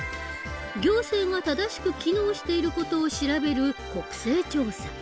行政が正しく機能している事を調べる国政調査。